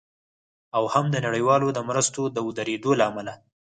او هم د نړیوالو د مرستو د ودریدو له امله